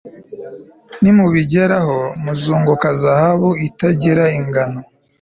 nimubugeraho, muzunguka zahabu itagira ingano